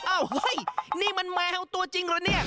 อ้าวเฮ้ยนี่มันแมวตัวจริงเหรอเนี่ย